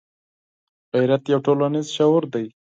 غیرت یو ټولنیز شعور دی